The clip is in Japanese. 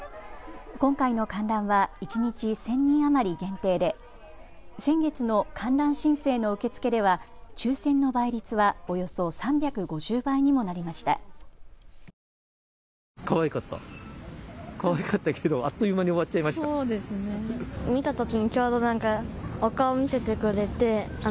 今回の観覧は一日１０００人余り限定で先月の観覧申請の受け付けでは抽せんの倍率はおよそ３５０倍にもなりました。